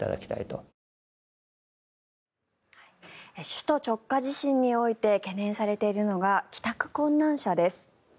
首都直下地震において懸念されているのが帰宅困難者です。